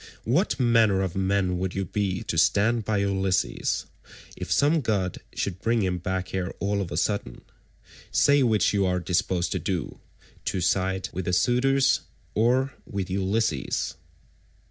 What manner of men would you be to stand by Ulysses, if some god should bring him back here all of a sudden? Say which you are disposed to do—to side with the suitors, or with Ulysses?"